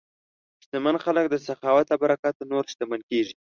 شتمن خلک د سخاوت له برکته نور شتمن کېږي.